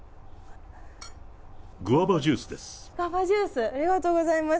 グアバジュースです。